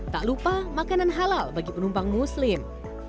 tak lupa makanan halal bagi penumpang muslim